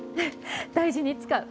大事に使う。